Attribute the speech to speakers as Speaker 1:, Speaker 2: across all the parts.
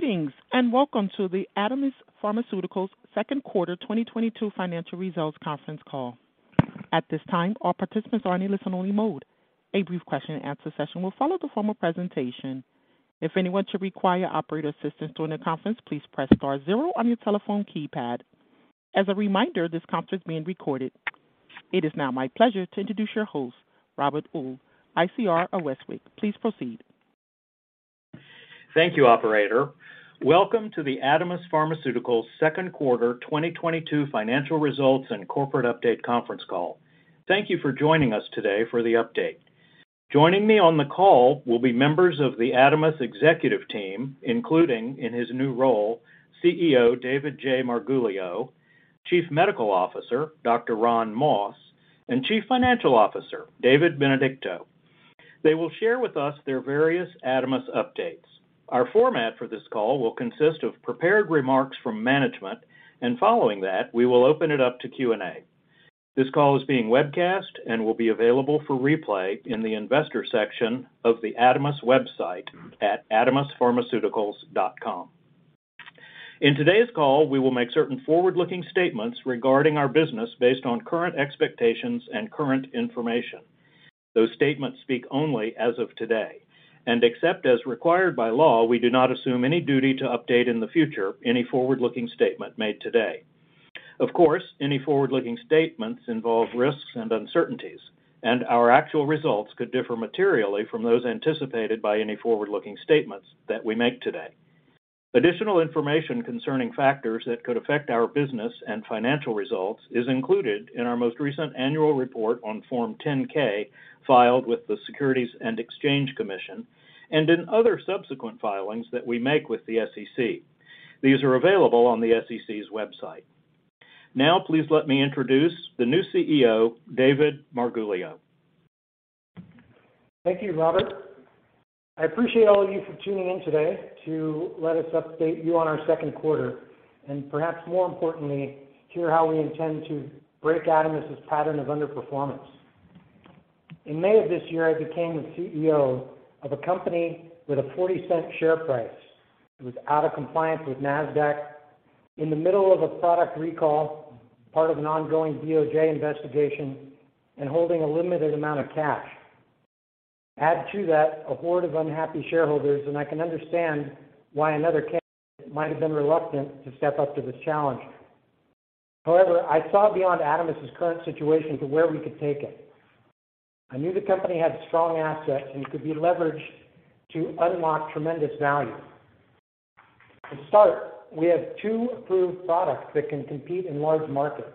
Speaker 1: Greetings, and welcome to the Adamis Pharmaceuticals Second Quarter 2022 Financial Results Conference Call. At this time, all participants are in a listen-only mode. A brief question and answer session will follow the formal presentation. If anyone should require operator assistance during the conference, please press star zero on your telephone keypad. As a reminder, this conference is being recorded. It is now my pleasure to introduce your host, Robert Uhl of ICR Westwicke. Please proceed.
Speaker 2: Thank you, operator. Welcome to the Adamis Pharmaceuticals Second Quarter 2022 Financial Results and Corporate Update Conference Call. Thank you for joining us today for the update. Joining me on the call will be members of the Adamis executive team, including in his new role, CEO David J. Marguglio, Chief Medical Officer Dr. Ron Moss, and Chief Financial Officer David Benedicto. They will share with us their various Adamis updates. Our format for this call will consist of prepared remarks from management, and following that, we will open it up to Q&A. This call is being webcast and will be available for replay in the investor section of the Adamis website at adamispharmaceuticals.com. In today's call, we will make certain forward-looking statements regarding our business based on current expectations and current information. Those statements speak only as of today. Except as required by law, we do not assume any duty to update in the future any forward-looking statement made today. Of course, any forward-looking statements involve risks and uncertainties, and our actual results could differ materially from those anticipated by any forward-looking statements that we make today. Additional information concerning factors that could affect our business and financial results is included in our most recent annual report on Form 10-K filed with the Securities and Exchange Commission and in other subsequent filings that we make with the SEC. These are available on the SEC's website. Now please let me introduce the new CEO, David Marguglio.
Speaker 3: Thank you, Robert. I appreciate all of you for tuning in today to let us update you on our second quarter, and perhaps more importantly, hear how we intend to break Adamis' pattern of underperformance. In May of this year, I became the CEO of a company with a $0.40 share price. It was out of compliance with Nasdaq in the middle of a product recall, part of an ongoing DOJ investigation and holding a limited amount of cash. Add to that a horde of unhappy shareholders, and I can understand why another candidate might have been reluctant to step up to this challenge. However, I saw beyond Adamis' current situation to where we could take it. I knew the company had strong assets and could be leveraged to unlock tremendous value. To start, we have two approved products that can compete in large markets.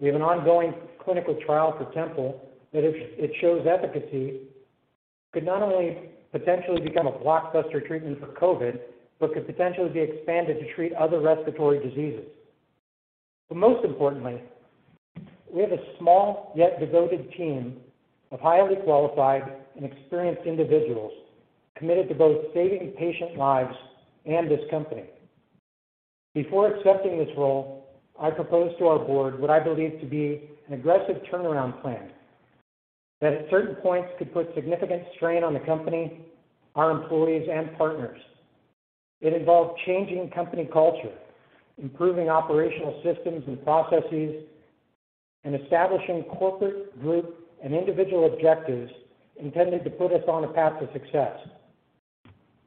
Speaker 3: We have an ongoing clinical trial for Tempol that if it shows efficacy, could not only potentially become a blockbuster treatment for COVID, but could potentially be expanded to treat other respiratory diseases. Most importantly, we have a small yet devoted team of highly qualified and experienced individuals committed to both saving patient lives and this company. Before accepting this role, I proposed to our board what I believe to be an aggressive turnaround plan that at certain points could put significant strain on the company, our employees, and partners. It involves changing company culture, improving operational systems and processes, and establishing corporate group and individual objectives intended to put us on a path to success.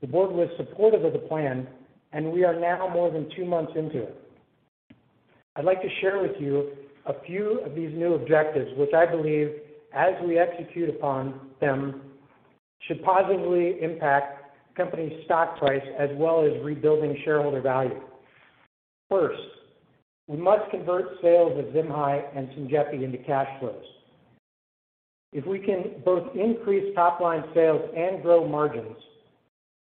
Speaker 3: The board was supportive of the plan, and we are now more than two months into it. I'd like to share with you a few of these new objectives, which I believe, as we execute upon them, should positively impact company stock price as well as rebuilding shareholder value. First, we must convert sales of ZIMHI and SYMJEPI into cash flows. If we can both increase top line sales and grow margins,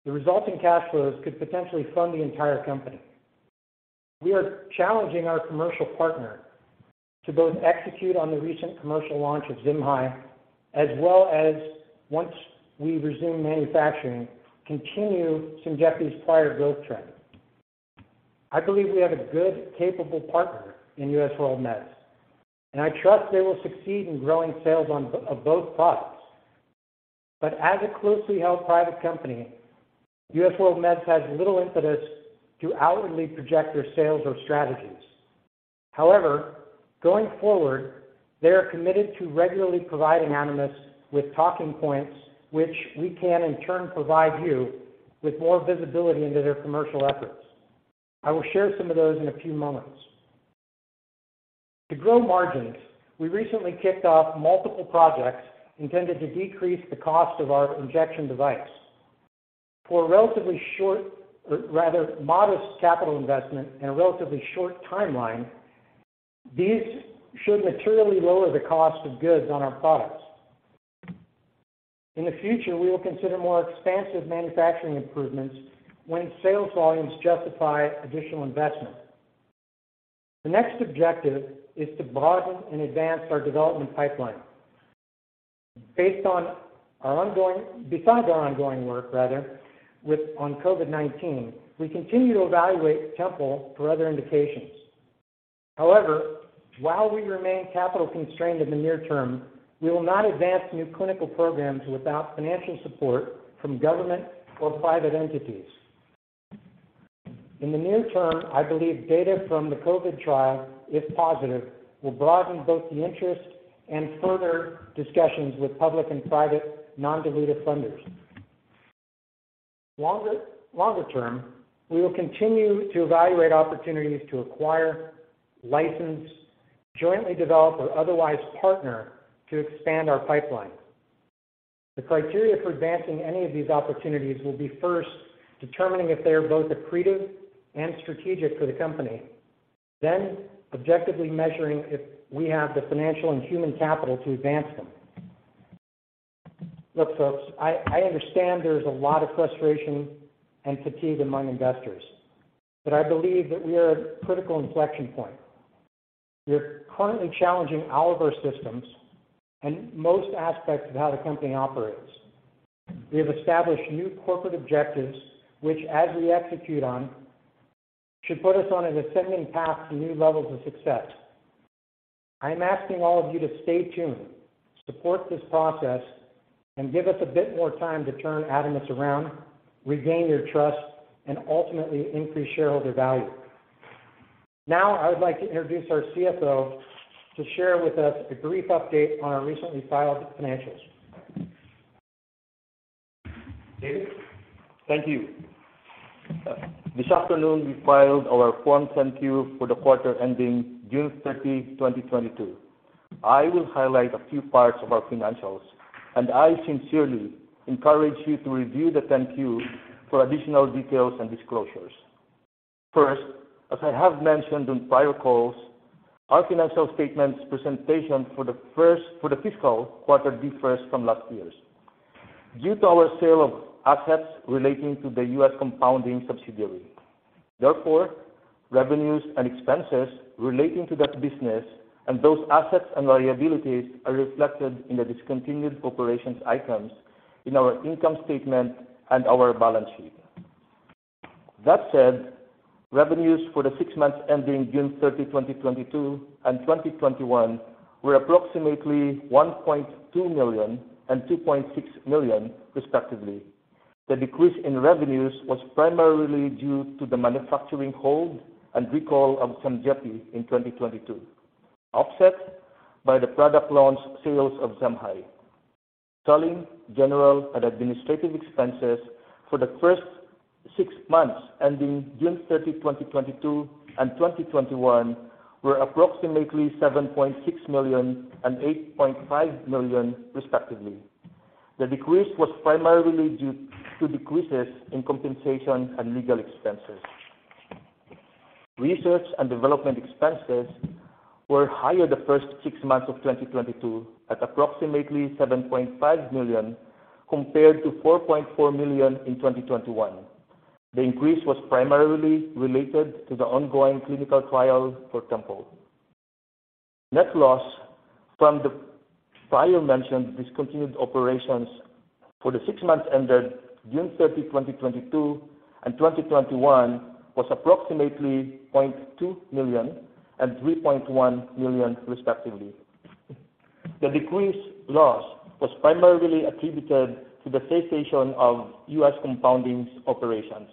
Speaker 3: the resulting cash flows could potentially fund the entire company. We are challenging our commercial partner to both execute on the recent commercial launch of ZIMHI as well as once we resume manufacturing, continue SYMJEPI's prior growth trend. I believe we have a good, capable partner in US WorldMeds, and I trust they will succeed in growing sales of both products. As a closely held private company, US WorldMeds has little impetus to outwardly project their sales or strategies. However, going forward, they are committed to regularly providing Adamis with talking points, which we can in turn provide you with more visibility into their commercial efforts. I will share some of those in a few moments. To grow margins, we recently kicked off multiple projects intended to decrease the cost of our injection device. For a relatively short or rather modest capital investment and a relatively short timeline, these should materially lower the cost of goods on our products. In the future, we will consider more expansive manufacturing improvements when sales volumes justify additional investment. The next objective is to broaden and advance our development pipeline. Besides our ongoing work on COVID-19, we continue to evaluate Tempol for other indications. However, while we remain capital-constrained in the near term, we will not advance new clinical programs without financial support from government or private entities. In the near term, I believe data from the COVID trial, if positive, will broaden both the interest and further discussions with public and private non-dilutive funders. Longer term, we will continue to evaluate opportunities to acquire, license, jointly develop, or otherwise partner to expand our pipeline. The criteria for advancing any of these opportunities will be first determining if they are both accretive and strategic for the company. Objectively measuring if we have the financial and human capital to advance them. Look, folks, I understand there's a lot of frustration and fatigue among investors, but I believe that we are at a critical inflection point. We are currently challenging all of our systems and most aspects of how the company operates. We have established new corporate objectives, which as we execute on, should put us on an ascending path to new levels of success. I'm asking all of you to stay tuned, support this process, and give us a bit more time to turn Adamis around, regain your trust, and ultimately increase shareholder value. Now, I would like to introduce our CFO to share with us a brief update on our recently filed financials. David?
Speaker 4: Thank you. This afternoon we filed our Form 10-Q for the quarter ending June 30, 2022. I will highlight a few parts of our financials, and I sincerely encourage you to review the 10-Q for additional details and disclosures. First, as I have mentioned on prior calls, our financial statements presentation for the fiscal quarter differs from last year's due to our sale of assets relating to the US Compounding subsidiary. Therefore, revenues and expenses relating to that business and those assets and liabilities are reflected in the discontinued operations items in our income statement and our balance sheet. That said, revenues for the six months ending June 30, 2022 and 2021 were approximately $1.2 million and $2.6 million, respectively. The decrease in revenues was primarily due to the manufacturing hold and recall of SYMJEPI in 2022, offset by the product launch sales of ZIMHI. Selling, general, and administrative expenses for the first six months ending June 30, 2022 and 2021 were approximately $7.6 million and $8.5 million, respectively. The decrease was primarily due to decreases in compensation and legal expenses. Research and development expenses were higher in the first six months of 2022 at approximately $7.5 million, compared to $4.4 million in 2021. The increase was primarily related to the ongoing clinical trial for Tempol. Net loss from the prior mentioned discontinued operations for the six months ended June 30, 2022 and 2021 was approximately $0.2 million and $3.1 million, respectively. The decreased loss was primarily attributed to the cessation of US Compounding operations.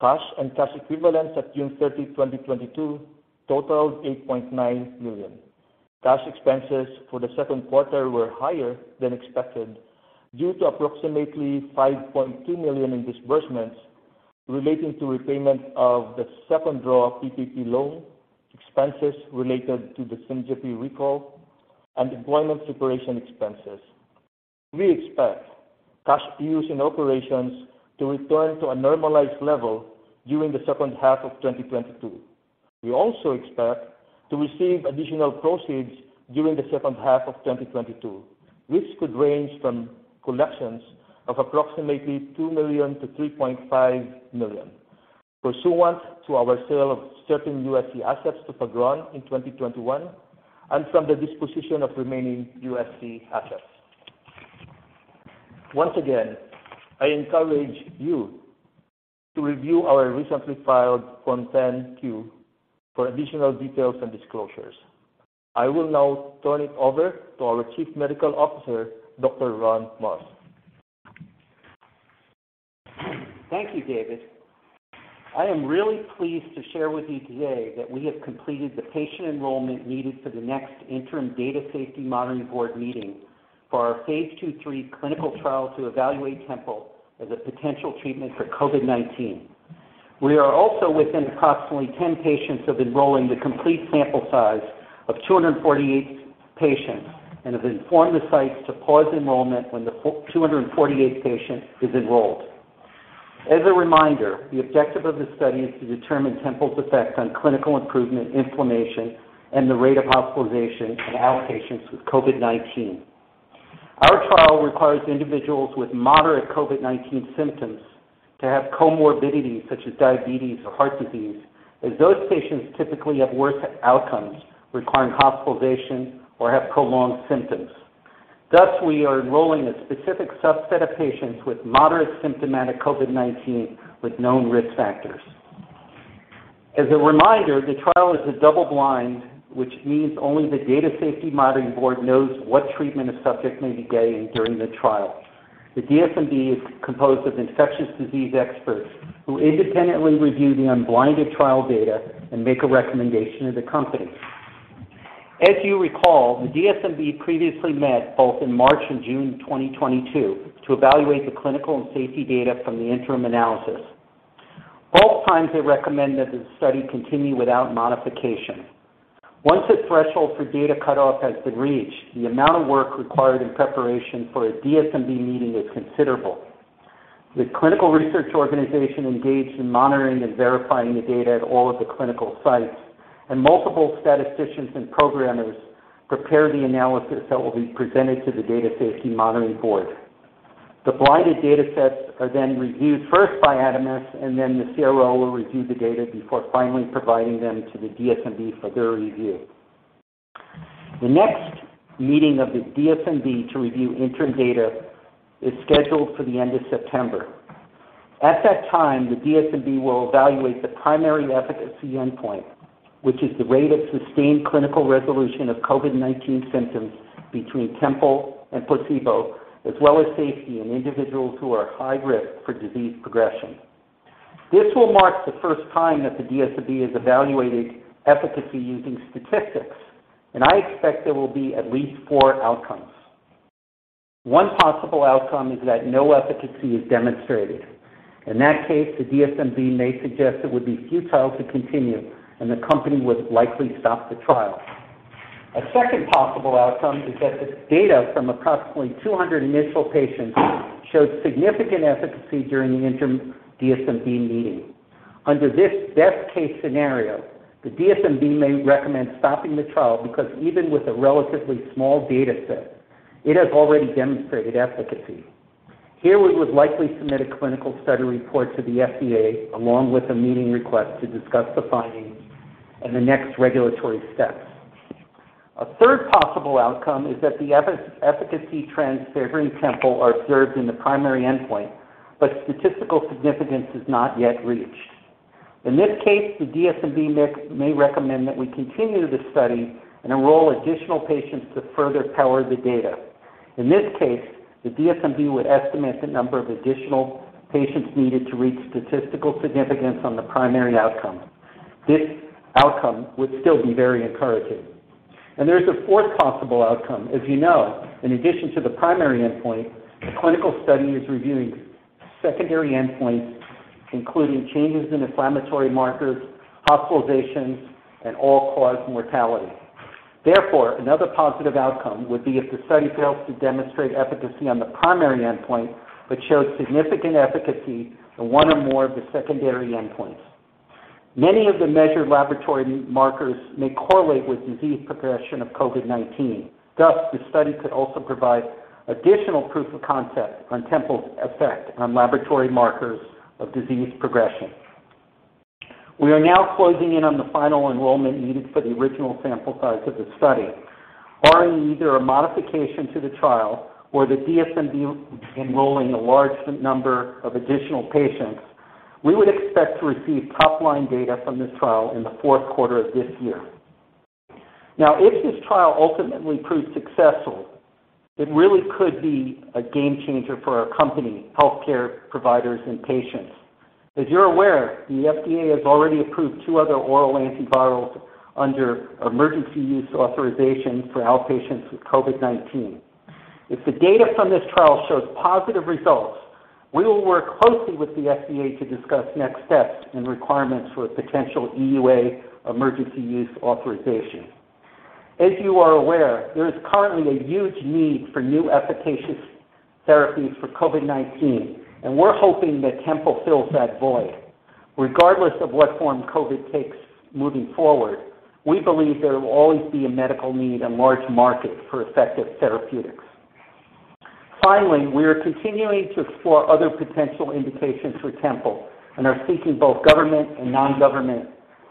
Speaker 4: Cash and cash equivalents at June 30, 2022 totaled $8.9 million. Cash expenses for the second quarter were higher than expected due to approximately $5.2 million in disbursements relating to repayment of the second draw of PPP loan, expenses related to the SYMJEPI recall, and employment separation expenses. We expect cash use in operations to return to a normalized level during the second half of 2022. We also expect to receive additional proceeds during the second half of 2022, which could range from collections of approximately $2 million-$3.5 million pursuant to our sale of certain USC assets to Fagron in 2021 and from the disposition of remaining USC assets. Once again, I encourage you to review our recently filed Form 10-Q for additional details and disclosures. I will now turn it over to our Chief Medical Officer, Dr. Ron Moss.
Speaker 5: Thank you, David. I am really pleased to share with you today that we have completed the patient enrollment needed for the next interim Data Safety Monitoring Board meeting for our phase II/III clinical trial to evaluate Tempol as a potential treatment for COVID-19. We are also within approximately 10 patients of enrolling the complete sample size of 248 patients and have informed the sites to pause enrollment when the 248th patient is enrolled. As a reminder, the objective of this study is to determine Tempol's effect on clinical improvement, inflammation, and the rate of hospitalization in outpatients with COVID-19. Our trial requires individuals with moderate COVID-19 symptoms to have comorbidities such as diabetes or heart disease, as those patients typically have worse outcomes requiring hospitalization or have prolonged symptoms. Thus, we are enrolling a specific subset of patients with moderate symptomatic COVID-19 with known risk factors. As a reminder, the trial is a double-blind, which means only the Data Safety Monitoring Board knows what treatment a subject may be getting during the trial. The DSMB is composed of infectious disease experts who independently review the unblinded trial data and make a recommendation to the company. As you recall, the DSMB previously met both in March and June 2022 to evaluate the clinical and safety data from the interim analysis. Both times, they recommended that the study continue without modification. Once a threshold for data cutoff has been reached, the amount of work required in preparation for a DSMB meeting is considerable. The clinical research organization engaged in monitoring and verifying the data at all of the clinical sites, and multiple statisticians and programmers prepare the analysis that will be presented to the Data Safety Monitoring Board. The blinded data sets are then reviewed first by Adamis, and then the CRO will review the data before finally providing them to the DSMB for their review. The next meeting of the DSMB to review interim data is scheduled for the end of September. At that time, the DSMB will evaluate the primary efficacy endpoint, which is the rate of sustained clinical resolution of COVID-19 symptoms between Tempol and placebo, as well as safety in individuals who are at high risk for disease progression. This will mark the first time that the DSMB has evaluated efficacy using statistics, and I expect there will be at least four outcomes. One possible outcome is that no efficacy is demonstrated. In that case, the DSMB may suggest it would be futile to continue, and the company would likely stop the trial. A second possible outcome is that the data from approximately 200 initial patients showed significant efficacy during the interim DSMB meeting. Under this best-case scenario, the DSMB may recommend stopping the trial because even with a relatively small data set, it has already demonstrated efficacy. Here, we would likely submit a clinical study report to the FDA along with a meeting request to discuss the findings and the next regulatory steps. A third possible outcome is that the efficacy trends favoring Tempol are observed in the primary endpoint, but statistical significance is not yet reached. In this case, the DSMB may recommend that we continue the study and enroll additional patients to further power the data. In this case, the DSMB would estimate the number of additional patients needed to reach statistical significance on the primary outcome. This outcome would still be very encouraging. There is a fourth possible outcome. As you know, in addition to the primary endpoint, the clinical study is reviewing secondary endpoints, including changes in inflammatory markers, hospitalizations, and all-cause mortality. Therefore, another positive outcome would be if the study fails to demonstrate efficacy on the primary endpoint but showed significant efficacy in one or more of the secondary endpoints. Many of the measured laboratory markers may correlate with disease progression of COVID-19. Thus, the study could also provide additional proof of concept on Tempol's effect on laboratory markers of disease progression. We are now closing in on the final enrollment needed for the original sample size of the study. Barring either a modification to the trial or the DSMB enrolling a large number of additional patients, we would expect to receive top-line data from this trial in the fourth quarter of this year. Now, if this trial ultimately proves successful, it really could be a game changer for our company, healthcare providers, and patients. As you're aware, the FDA has already approved two other oral antivirals under emergency use authorization for outpatients with COVID-19. If the data from this trial shows positive results, we will work closely with the FDA to discuss next steps and requirements for a potential EUA emergency use authorization. As you are aware, there is currently a huge need for new efficacious therapies for COVID-19, and we're hoping that Tempol fills that void. Regardless of what form COVID takes moving forward, we believe there will always be a medical need and large market for effective therapeutics. Finally, we are continuing to explore other potential indications for Tempol and are seeking both government and non-government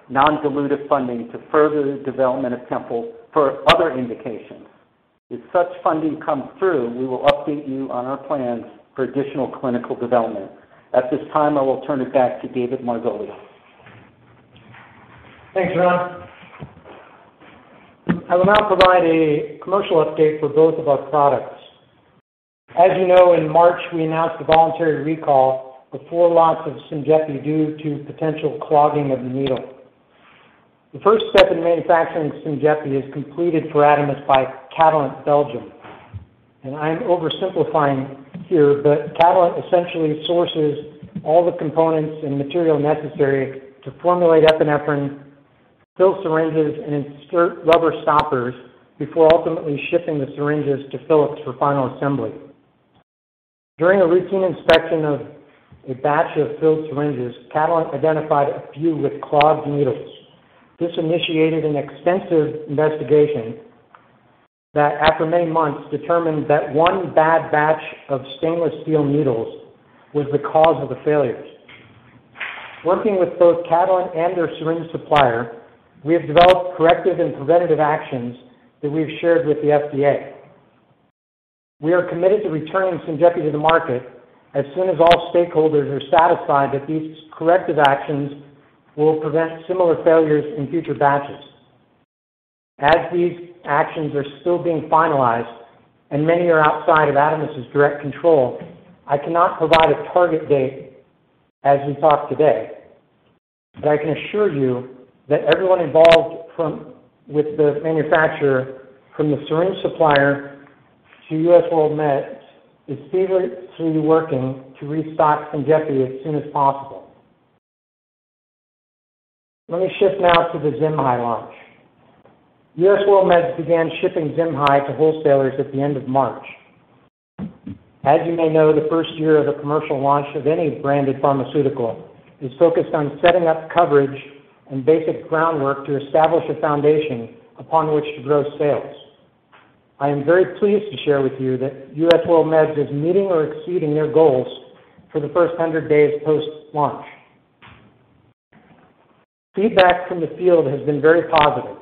Speaker 5: non-dilutive funding to further the development of Tempol for other indications. If such funding comes through, we will update you on our plans for additional clinical development. At this time, I will turn it back to David Marguglio.
Speaker 3: Thanks, Ron. I will now provide a commercial update for both of our products. As you know, in March, we announced a voluntary recall of four lots of SYMJEPI due to potential clogging of the needle. The first step in manufacturing SYMJEPI is completed for Adamis by Catalent Belgium. I'm oversimplifying here, but Catalent essentially sources all the components and material necessary to formulate epinephrine, fill syringes, and insert rubber stoppers before ultimately shipping the syringes to Phillips-Medisize for final assembly. During a routine inspection of a batch of filled syringes, Catalent identified a few with clogged needles. This initiated an extensive investigation that, after many months, determined that one bad batch of stainless steel needles was the cause of the failures. Working with both Catalent and their syringe supplier, we have developed corrective and preventative actions that we have shared with the FDA. We are committed to returning SYMJEPI to the market as soon as all stakeholders are satisfied that these corrective actions will prevent similar failures in future batches. As these actions are still being finalized, and many are outside of Adamis's direct control, I cannot provide a target date as we talk today. I can assure you that everyone involved with the manufacturer, from the syringe supplier to US WorldMeds, is feverishly working to restock SYMJEPI as soon as possible. Let me shift now to the ZIMHI launch. US WorldMeds began shipping ZIMHI to wholesalers at the end of March. As you may know, the first year of the commercial launch of any branded pharmaceutical is focused on setting up coverage and basic groundwork to establish a foundation upon which to grow sales. I am very pleased to share with you that US WorldMeds is meeting or exceeding their goals for the first 100 days post-launch. Feedback from the field has been very positive.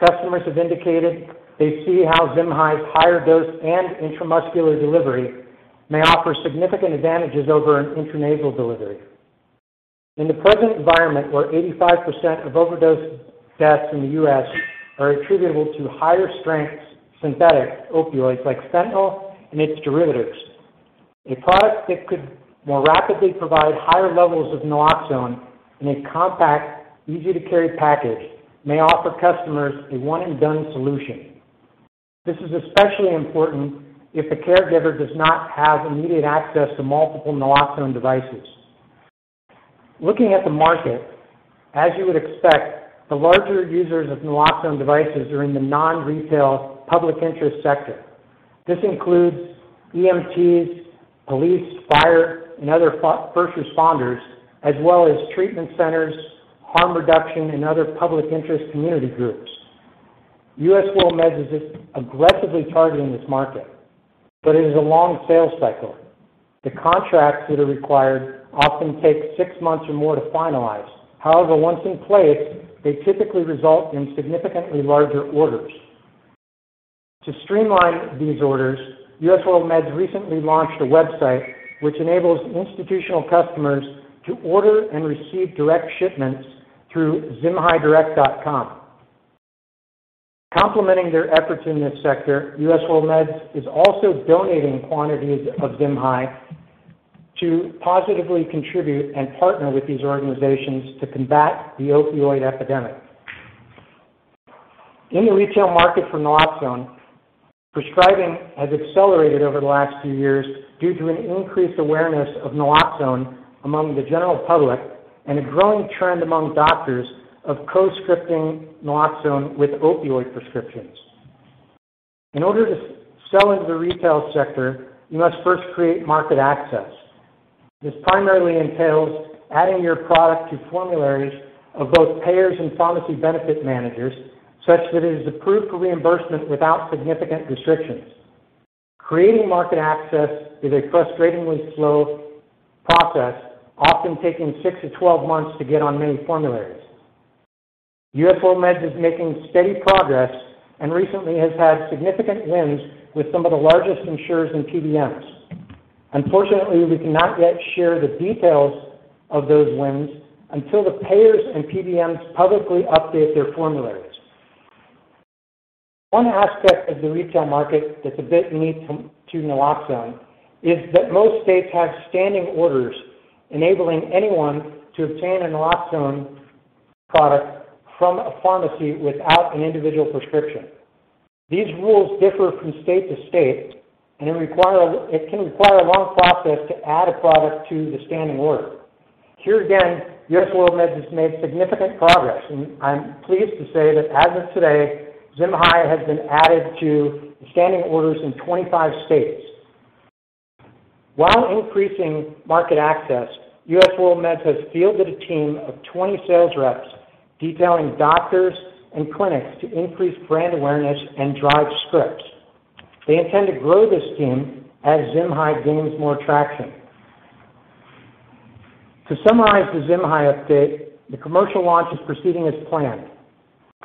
Speaker 3: Customers have indicated they see how ZIMHI's higher dose and intramuscular delivery may offer significant advantages over an intranasal delivery. In the present environment, where 85% of overdose deaths in the U.S. are attributable to higher strengths synthetic opioids like fentanyl and its derivatives, a product that could more rapidly provide higher levels of naloxone in a compact, easy-to-carry package may offer customers a one-and-done solution. This is especially important if the caregiver does not have immediate access to multiple naloxone devices. Looking at the market, as you would expect, the larger users of naloxone devices are in the non-retail public interest sector. This includes EMTs, police, fire, and other first responders, as well as treatment centers, harm reduction, and other public interest community groups. US WorldMeds is aggressively targeting this market, but it is a long sales cycle. The contracts that are required often take six months or more to finalize. However, once in place, they typically result in significantly larger orders. To streamline these orders, US WorldMeds recently launched a website which enables institutional customers to order and receive direct shipments through zimhidirect.com. Complementing their efforts in this sector, US WorldMeds is also donating quantities of ZIMHI to positively contribute and partner with these organizations to combat the opioid epidemic. In the retail market for naloxone, prescribing has accelerated over the last few years due to an increased awareness of naloxone among the general public and a growing trend among doctors of co-prescribing naloxone with opioid prescriptions. In order to sell into the retail sector, you must first create market access. This primarily entails adding your product to formularies of both payers and pharmacy benefit managers, such that it is approved for reimbursement without significant restrictions. Creating market access is a frustratingly slow process, often taking six to `12 months to get on many formularies. US WorldMeds is making steady progress and recently has had significant wins with some of the largest insurers and PBMs. Unfortunately, we cannot yet share the details of those wins until the payers and PBMs publicly update their formularies. One aspect of the retail market that's a bit unique to naloxone is that most states have standing orders enabling anyone to obtain a naloxone product from a pharmacy without an individual prescription. These rules differ from state to state, and it can require a long process to add a product to the standing order. Here again, US WorldMeds has made significant progress, and I'm pleased to say that as of today, ZIMHI has been added to the standing orders in 25 states. While increasing market access, US WorldMeds has fielded a team of 20 sales reps detailing doctors and clinics to increase brand awareness and drive scripts. They intend to grow this team as ZIMHI gains more traction. To summarize the ZIMHI update, the commercial launch is proceeding as planned.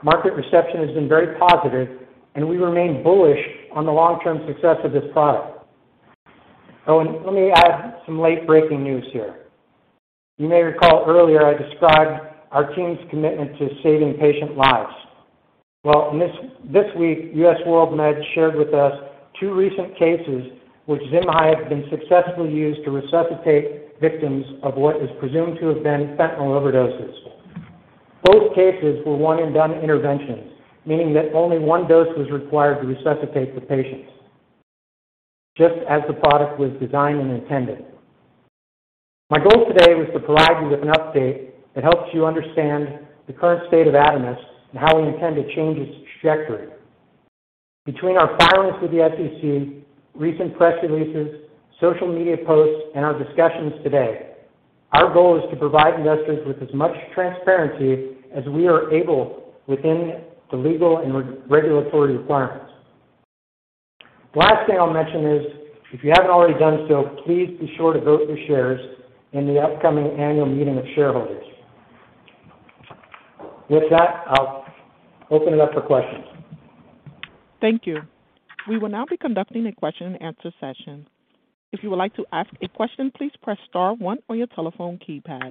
Speaker 3: Market reception has been very positive, and we remain bullish on the long-term success of this product. Oh, and let me add some late-breaking news here. You may recall earlier I described our team's commitment to saving patient lives. Well, this week, US WorldMeds shared with us two recent cases which ZIMHI had been successfully used to resuscitate victims of what is presumed to have been fentanyl overdoses. Both cases were one-and-done interventions, meaning that only one dose was required to resuscitate the patients just as the product was designed and intended. My goal today was to provide you with an update that helps you understand the current state of Adamis and how we intend to change its trajectory. Between our filings with the SEC, recent press releases, social media posts, and our discussions today, our goal is to provide investors with as much transparency as we are able within the legal and regulatory requirements. Last thing I'll mention is, if you haven't already done so, please be sure to vote your shares in the upcoming annual meeting of shareholders. With that, I'll open it up for questions.
Speaker 1: Thank you. We will now be conducting a question-and-answer session. If you would like to ask a question, please press star one on your telephone keypad.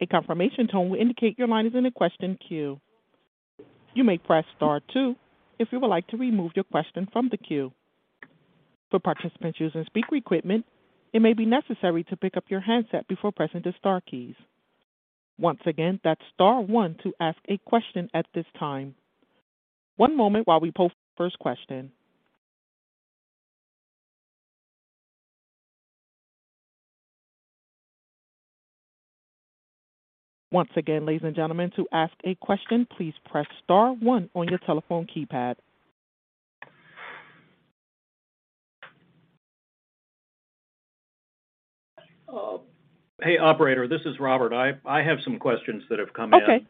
Speaker 1: A confirmation tone will indicate your line is in a question queue. You may press star two if you would like to remove your question from the queue. For participants using speaker equipment, it may be necessary to pick up your handset before pressing the star keys. Once again, that's star one to ask a question at this time. One moment while we post the first question. Once again, ladies and gentlemen, to ask a question, please press star one on your telephone keypad.
Speaker 2: Hey, operator. This is Robert. I have some questions that have come in.
Speaker 1: Okay.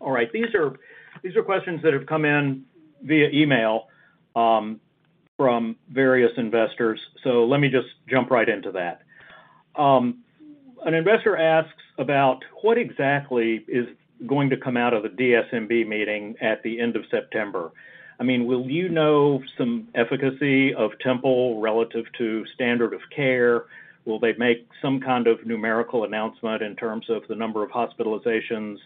Speaker 2: All right. These are questions that have come in via email from various investors. Let me just jump right into that. An investor asks about what exactly is going to come out of the DSMB meeting at the end of September. I mean, will you know some efficacy of Tempol relative to standard of care? Will they make some kind of numerical announcement in terms of the number of hospitalizations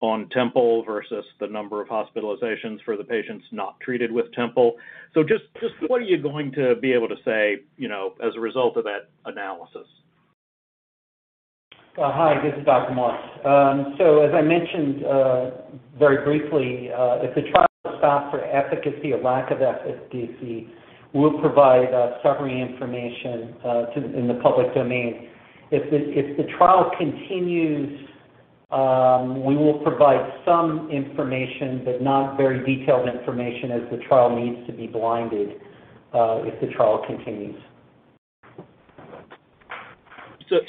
Speaker 2: on Tempol versus the number of hospitalizations for the patients not treated with Tempol? Just what are you going to be able to say, you know, as a result of that analysis?
Speaker 5: Hi, this is Dr. Moss. As I mentioned, very briefly, if the trial stops for efficacy or lack of efficacy, we'll provide summary information in the public domain. If the trial continues, we will provide some information, but not very detailed information as the trial needs to be blinded, if the trial continues.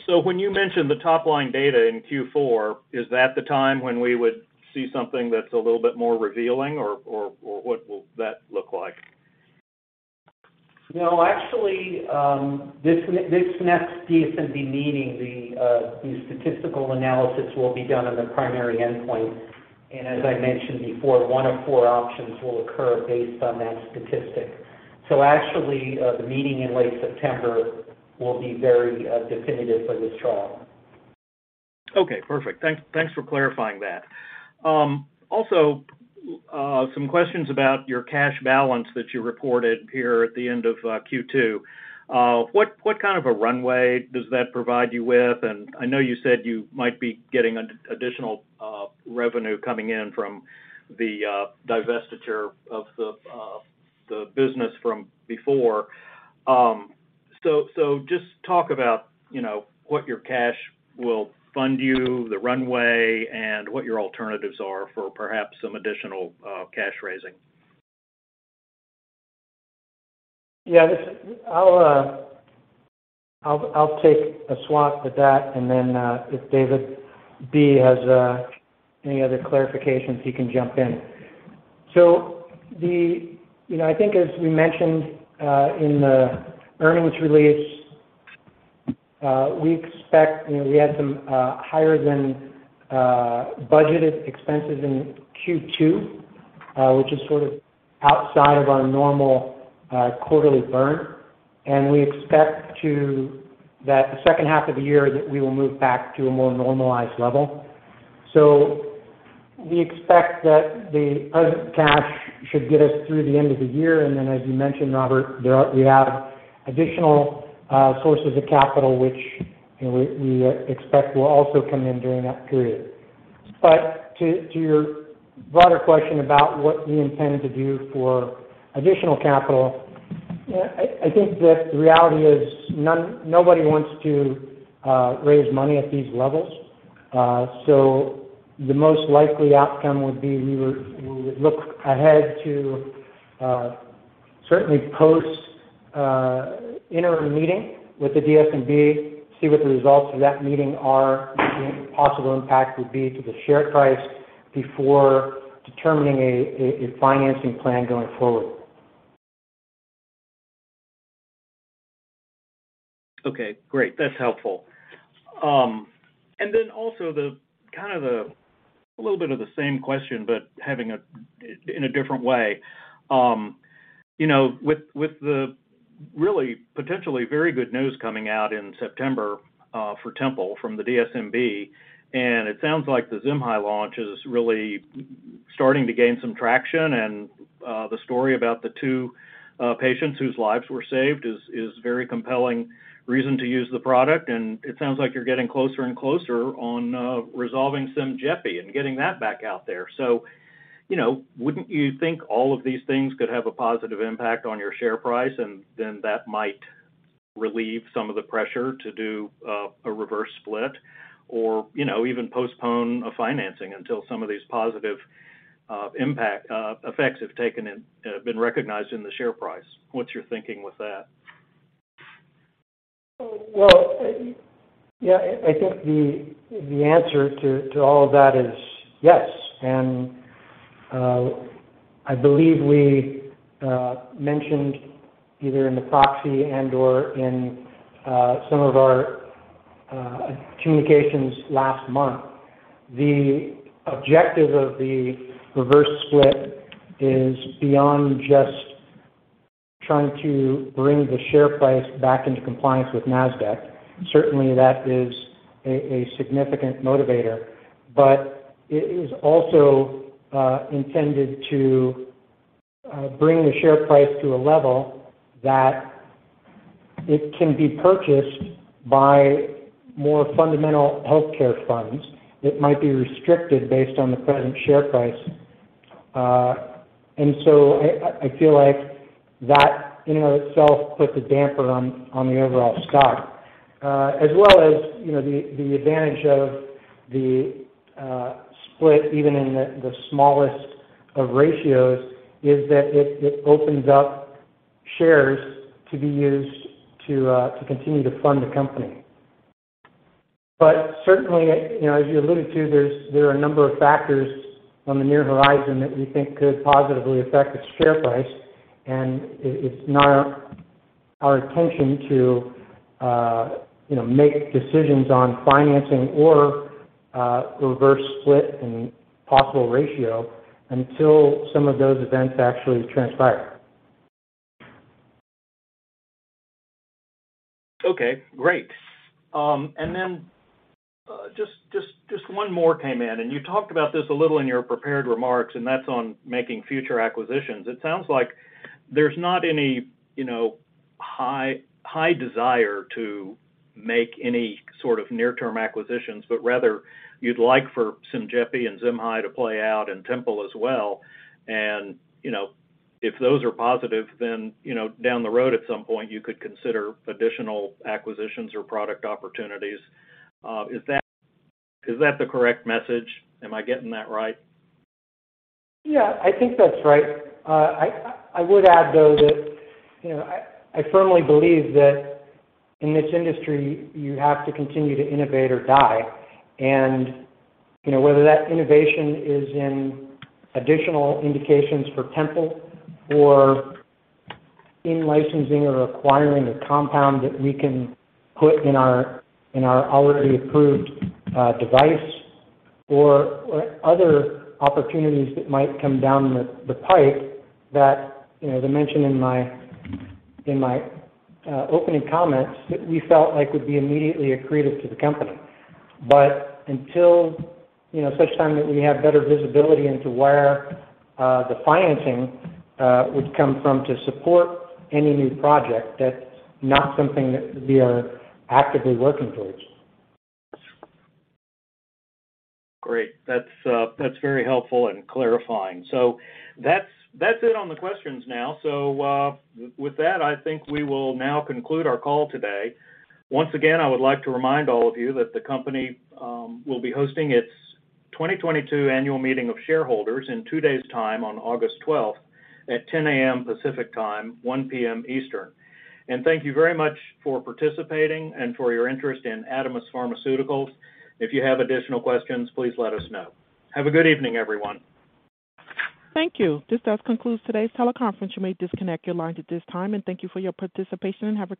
Speaker 2: When you mention the top line data in Q4, is that the time when we would see something that's a little bit more revealing or what will that look like?
Speaker 5: No, actually, this next DSMB meeting, the statistical analysis will be done on the primary endpoint. As I mentioned before, one of four options will occur based on that statistic. Actually, the meeting in late September will be very definitive for this trial.
Speaker 2: Okay, perfect. Thanks for clarifying that. Also, some questions about your cash balance that you reported here at the end of Q2. What kind of a runway does that provide you with? I know you said you might be getting an additional revenue coming in from the divestiture of the business from before. So just talk about, you know, what your cash will fund you, the runway, and what your alternatives are for perhaps some additional cash raising.
Speaker 3: I'll take a stab at that, and then if David B has any other clarifications, he can jump in. You know, I think as we mentioned in the earnings release, we expect, you know, we had some higher than budgeted expenses in Q2, which is sort of outside of our normal quarterly burn. We expect that the second half of the year we will move back to a more normalized level. We expect that our cash should get us through the end of the year. As you mentioned, Robert, we have additional sources of capital, which, you know, we expect will also come in during that period. To your broader question about what we intend to do for additional capital, I think that the reality is no one, nobody wants to raise money at these levels. The most likely outcome would be we would look ahead to certainly post interim meeting with the DSMB, see what the results of that meeting are, the possible impact would be to the share price before determining a financing plan going forward.
Speaker 2: Okay, great. That's helpful. A little bit of the same question, but in a different way. You know, with the really potentially very good news coming out in September for Tempol from the DSMB, and it sounds like the ZIMHI launch is really starting to gain some traction. The story about the two patients whose lives were saved is very compelling reason to use the product. It sounds like you're getting closer and closer on resolving SYMJEPI and getting that back out there. You know, wouldn't you think all of these things could have a positive impact on your share price, and then that might relieve some of the pressure to do a reverse split or, you know, even postpone a financing until some of these positive impact effects have been recognized in the share price? What's your thinking with that?
Speaker 3: Well, yeah, I think the answer to all of that is yes. I believe we mentioned either in the proxy and/or in some of our communications last month, the objective of the reverse split is beyond just trying to bring the share price back into compliance with Nasdaq. Certainly, that is a significant motivator. It is also intended to bring the share price to a level that it can be purchased by more fundamental healthcare funds that might be restricted based on the present share price. I feel like that in and of itself puts a damper on the overall stock. As well as, you know, the advantage of the split even in the smallest of ratios is that it opens up shares to be used to continue to fund the company. But certainly, you know, as you alluded to, there are a number of factors on the near horizon that we think could positively affect the share price. It's not our intention to, you know, make decisions on financing or reverse split and possible ratio until some of those events actually transpire.
Speaker 2: Okay, great. Then, just one more came in, and you talked about this a little in your prepared remarks, and that's on making future acquisitions. It sounds like there's not any, you know, high desire to make any sort of near-term acquisitions, but rather you'd like for SYMJEPI and ZIMHI to play out and Tempol as well. You know, if those are positive, then, you know, down the road at some point you could consider additional acquisitions or product opportunities. Is that the correct message? Am I getting that right?
Speaker 3: Yeah, I think that's right. I would add, though, that you know, I firmly believe that in this industry, you have to continue to innovate or die. You know, whether that innovation is in additional indications for Tempol or in licensing or acquiring a compound that we can put in our already approved device or other opportunities that might come down the pipe that you know, as I mentioned in my opening comments, we felt like would be immediately accretive to the company. Until you know, such time that we have better visibility into where the financing would come from to support any new project, that's not something that we are actively working towards.
Speaker 2: Great. That's very helpful and clarifying. That's it on the questions now. With that, I think we will now conclude our call today. Once again, I would like to remind all of you that the company will be hosting its 2022 annual meeting of shareholders in two days time on August 12th at 10:00 A.M. Pacific Time, 1:00 P.M. Eastern. Thank you very much for participating and for your interest in Adamis Pharmaceuticals. If you have additional questions, please let us know. Have a good evening, everyone.
Speaker 1: Thank you. This does conclude today's teleconference. You may disconnect your lines at this time. Thank you for your participation, and have a great evening.